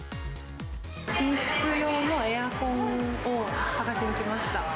寝室用のエアコンを探しに来ました。